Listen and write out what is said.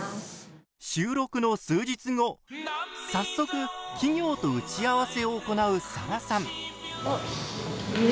収録の数日後早速企業と打ち合わせを行うサラさん。